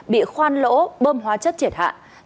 bị khoan lỗ bơm hóa chất triệt hạ